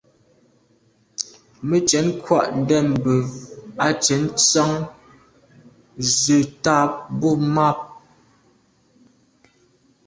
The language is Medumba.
Mɛ́n cwɛ̌d krwâ' ndɛ̂mbə̄ á cwɛ̌d tsjɑ́ŋə́ zə̄ tâp bû mâp.